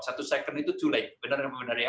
satu detik itu terlalu lambat benar benar ya